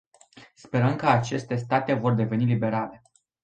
Sperăm că aceste state vor deveni liberale.